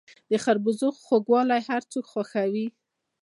د خربوزو خوږوالی هر څوک خوښوي.